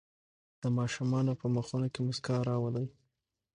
د ماشومانو په مخونو کې مسکا راولئ.